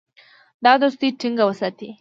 دا دوستي ټینګه وساتي.